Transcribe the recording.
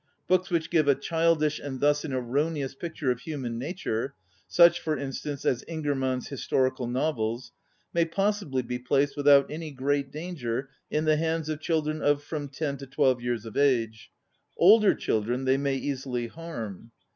Books which give a childish, and thus an erroneous pic ture of human nature, ŌĆö such, for instance, as Ingermann's historical novels, ŌĆö may possibly be placed without any great danger in the hands of children of from ten to twelve years of age; older children they may easily harm.